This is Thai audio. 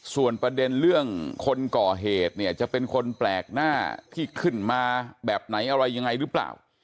ส่วนประเด็นเรื่องคนก่อเหตุเนี่ยจะเป็นคนแปลกหน้าที่ขึ้นมาแบบไหนอะไรยังไงหรือเปล่า